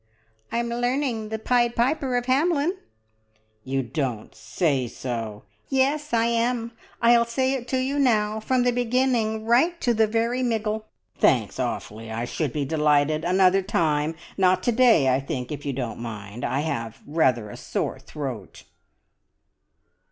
"I'm learning the `Pied Piper of Hamelin'!" "You don't say so!" "Yes, I am. I'll say it to you now, from the beginning right to the very miggle!" "Thanks awfully. I should be delighted another time. Not to day, I think, if you don't mind. I have rather a sore throat."